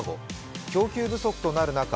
供給不足となるなか